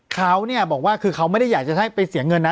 เขาบอกว่าคือเขาไม่ได้อยากจะให้ไปเสียเงินนะ